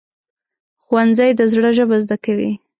ښوونځی د زړه ژبه زده کوي